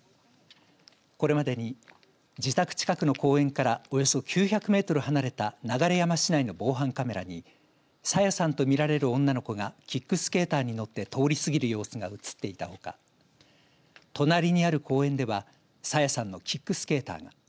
これまでに、自宅近くの公園からおよそ９００メートル離れた流山市内の防犯カメラに朝芽さんと見られる女の子がキックスケーターに乗って通り過ぎる様子が映っていたほか隣にある公園では朝芽さんのキックスケーターが。